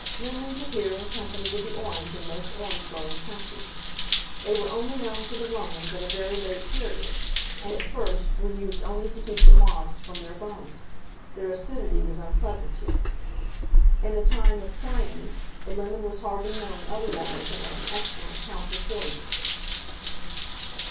Lemons appear in company with the orange in most orange growing countries. They were only known to the Romans at a very late period, and, at first, were used only to keep the moths from their garments: their acidity was unpleasant to them. In the time of Pliny, the lemon was hardly known otherwise than as an excellent counter poison.